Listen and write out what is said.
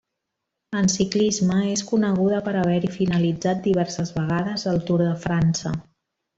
En ciclisme és coneguda per haver-hi finalitzat diverses vegades el Tour de França.